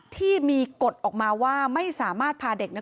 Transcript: ต้องให้คุณหมอพิสูจน์ว่าเกิดจากการกระแทกแบบไหน